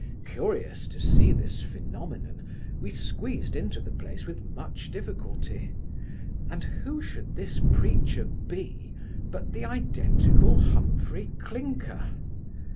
Curious to see this phoenomenon, we squeezed into the place with much difficulty; and who should this preacher be, but the identical Humphry Clinker.